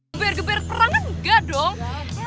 geber geber perangan enggak dong